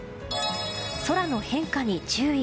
空の変化に注意。